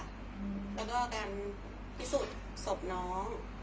ก็การกันพิสูจน์ศพน้อง